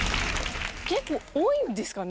結構多いんですかね？